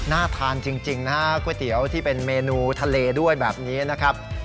น่าทานจริงนะฮะก๋วยเตี๋ยวที่เป็นเมนูทะเลด้วยแบบนี้นะครับ